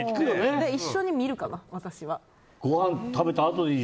一緒に見るかな、私は。